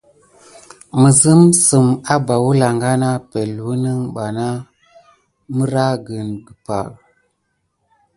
Misem zim abà wəlaŋga nat epəŋle wune ɓana sikué migrana kubà.